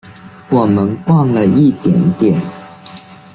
我们逛了一点点